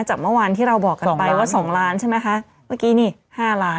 จากเมื่อวานที่เราบอกกันไปว่าสองล้านใช่ไหมคะเมื่อกี้นี่ห้าล้าน